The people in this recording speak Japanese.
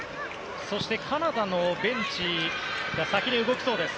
そしてカナダのベンチが先に動きそうです。